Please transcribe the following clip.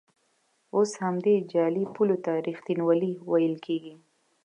اوس همدې جعلي پولو ته ریښتینولي ویل کېږي.